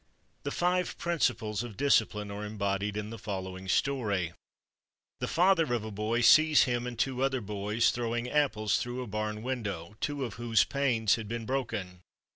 _" The "five principles of discipline" are embodied in the following story: The father of a boy sees him and two other boys throwing apples through a barn window, two of whose panes had been broken.